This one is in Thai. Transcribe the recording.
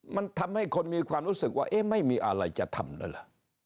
มันทำให้คนมีความรู้สึกว่าเอ๊ะไม่มีอะไรจะทำแล้วล่ะ